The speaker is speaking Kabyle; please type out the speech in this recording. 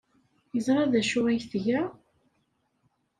Yeẓra d acu ay tga?